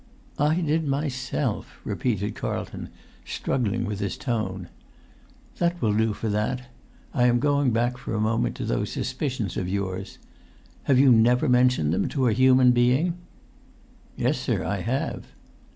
"I did myself!" repeated Carlton, struggling with his tone. "That will do for that. I am going back for a moment to those suspicions of yours. Have you never mentioned them to a human being?" "Yes, sir, I have."